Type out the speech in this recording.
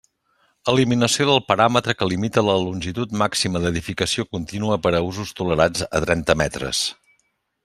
Eliminació del paràmetre que limita la longitud màxima d'edificació contínua per a usos tolerats a trenta metres.